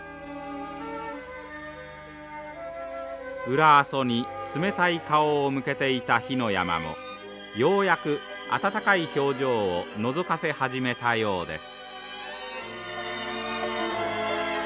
裏阿蘇に冷たい顔を向けていた火の山もようやく温かい表情をのぞかせ始めたようです。